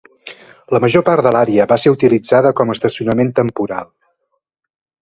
La major part de l'àrea va ser utilitzada com a estacionament temporal.